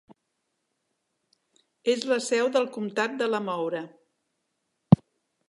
És la seu del comtat de LaMoure.